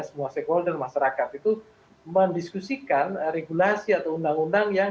semua stakeholder masyarakat itu mendiskusikan regulasi atau undang undang yang